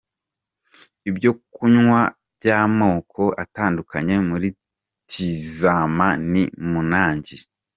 Ibyo kunywa by'amoko atandukanye muri Tizama ni munangi.